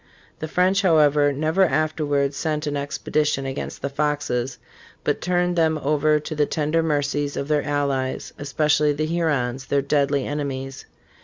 * The French, however, never afterwards sent an expedition against the Foxes, but turned them over to the tender mercies of their allies, especially the Hurons, their deadly enemies.